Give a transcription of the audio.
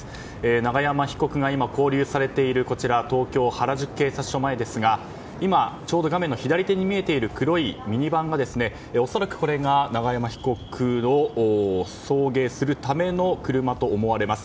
永山被告が今、勾留されている東京・原宿警察署前ですが今、ちょうど画面の左手に見えている黒いミニバンが恐らく永山被告を送迎するための車と思われます。